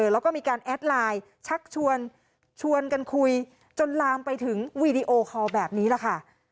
แล้วก็มีการแอดไลน์ชักชวนกันคุยจนลามไปถึงวีดีโอคอลแบบนี้แหละค่ะ